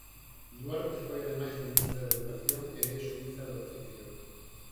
Duarte foi ademais ministra de Educación e é xuíza de oficio.